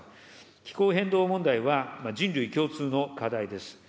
気候変動問題は人類共通の課題です。